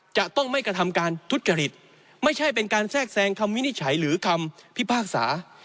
จะต้องไม่กระทำการทุจริตไม่ใช่เป็นการแทรกแซงคำวินิจฉัยหรือคำพิพากษา